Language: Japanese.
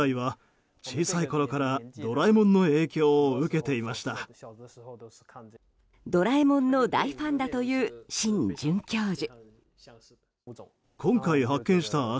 「ドラえもん」の大ファンだというシン准教授。